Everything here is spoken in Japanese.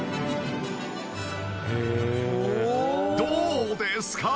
どうですか！